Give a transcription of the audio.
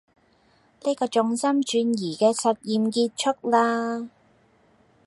呢個重心轉移嘅實驗結束啦